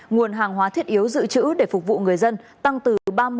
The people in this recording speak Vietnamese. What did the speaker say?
nguồn hàng hóa thiết yếu giữ chữ để phục vụ người dân tăng từ ba mươi năm mươi